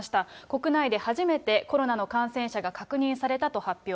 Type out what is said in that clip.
国内で初めてコロナの感染者が確認されたと発表。